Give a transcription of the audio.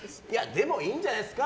でもいいんじゃないですか。